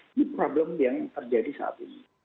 ini problem yang terjadi saat ini